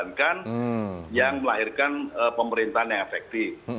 untuk menjalankan yang melahirkan pemerintahan yang efektif